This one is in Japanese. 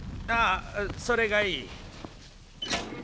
ああそれがいい。